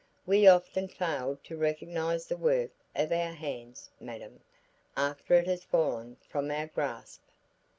"We often fail to recognize the work of our hands, madame, after it has fallen from our grasp."